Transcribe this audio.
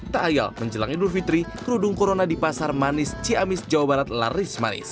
tak ayal menjelang idul fitri kerudung corona di pasar manis ciamis jawa barat laris manis